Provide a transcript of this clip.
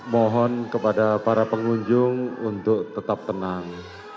mohon kepada para pengunjung untuk tetap tenang